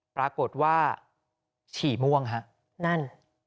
ปรากฏว่าฉี่ม่วงฮะนั่น